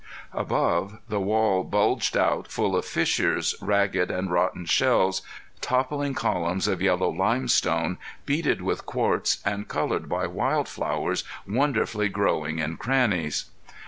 Above the wall bulged out full of fissures, ragged and rotten shelves, toppling columns of yellow limestone, beaded with quartz and colored by wild flowers wonderfully growing in crannies.